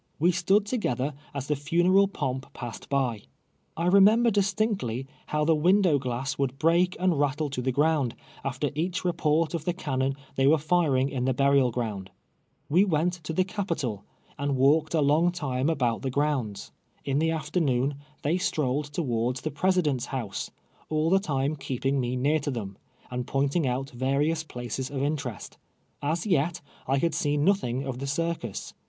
' We stood to gether as the funeral pomp ])assed by. I remember distinctly how the window glass would break and rattle to the ground, after each report of the cann.on they vrere iiaingin the burial ground. We went to the Capitol, and walked a long time about the grounds. In the afternoon, they strolled towards the Presi dent's House, all the time keeping me near to them, and pointing out various places of interest. As yet, I had seen nothing of the circus.